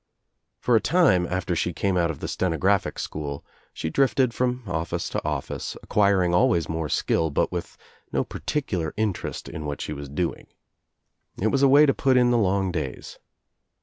For a time after she came out of the steno graphic school she drifted from office to office, acquir , ing always more skill, but with no particular interest in what she was doing. It was a way to put in the long days.